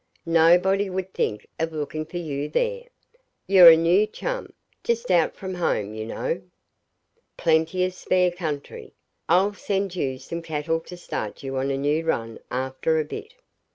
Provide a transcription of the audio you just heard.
Nobody would think of looking for you there. You're a new chum, just out from home, you know. Plenty of spare country. I'll send you some cattle to start you on a new run after a bit.'